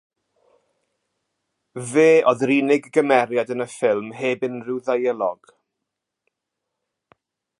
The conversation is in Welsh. Fe oedd yr unig gymeriad yn y ffilm heb unrhyw ddeialog.